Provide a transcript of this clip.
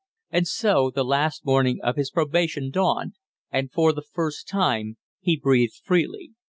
And so the last morning of his probation dawned, and for the first time he breathed freely.